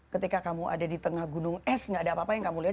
ketika kamu ada di tengah gunung es tidak ada apa apa yang kamu lihat